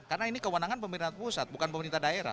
karena ini kewenangan pemerintah pusat bukan pemerintah daerah